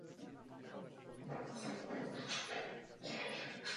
Míra rezistence se pohybovala od střední až po úplnou.